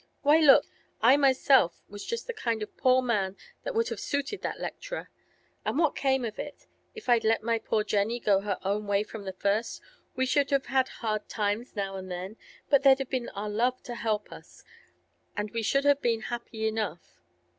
Why, look; I myself was just the kind of poor man that would have suited that lecturer. And what came of it? If I'd let my poor Jenny go her own way from the first, we should have had hard times now and then, but there'd have been our love to help us, and we should have been happy enough.